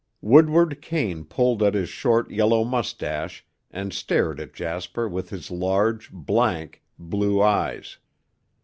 Woodward Kane pulled at his short, yellow mustache and stared at Jasper with his large, blank, blue eyes.